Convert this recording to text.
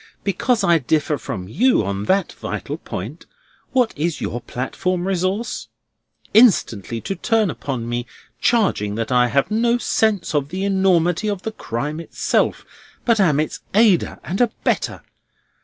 Because I differ from you on that vital point, what is your platform resource? Instantly to turn upon me, charging that I have no sense of the enormity of the crime itself, but am its aider and abettor!